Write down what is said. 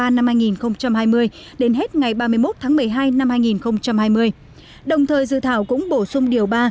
năm hai nghìn hai mươi đến hết ngày ba mươi một tháng một mươi hai năm hai nghìn hai mươi đồng thời dự thảo cũng bổ sung điều ba